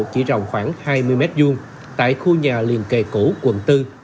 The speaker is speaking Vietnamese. chỉ rồng khoảng hai mươi m hai tại khu nhà liền kề cũ quận bốn